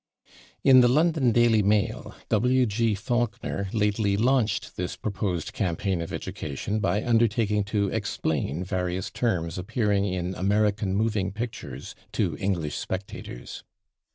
In the /London Daily Mail/, W. G. Faulkner lately launched this proposed campaign of education by undertaking to explain various terms appearing in American moving pictures to English spectators.